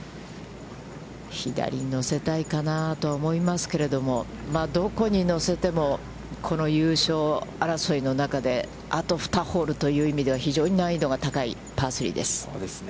左に乗せたいかなと思いますけれども、どこに乗せてもこの優勝争いの中で、あと２ホールという意味では、非常に難易度が高いパー３です。